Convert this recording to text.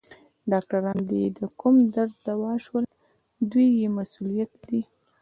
ډاکټران دي د کوم درد دوا شول؟ دوی بې مسؤلیته دي.